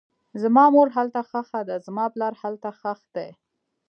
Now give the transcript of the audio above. زما مور هلته ښخه ده, زما پلار هلته ښخ دی